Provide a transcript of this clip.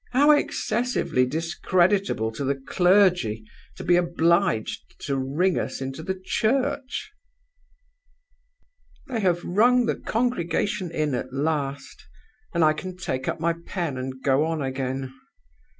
How excessively discreditable to the clergy to be obliged to ring us into the church!" "They have rung the congregation in at last; and I can take up my pen, and go on again.